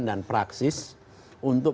dan praksis untuk